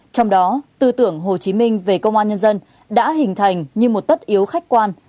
trong đó tư tưởng hồ chí minh về công an nhân dân đã hình thành như một tất yếu khách quan